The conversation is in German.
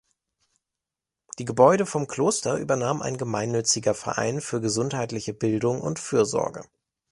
Die Gebäude vom Kloster übernahm ein gemeinnütziger Verein für gesundheitliche Bildung und Fürsorge.